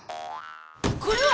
これは！